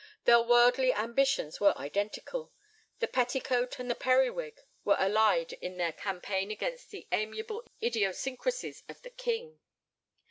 Their worldly ambitions were identical; the petticoat and the periwig were allied in their campaign against the amiable idiosyncrasies of the King.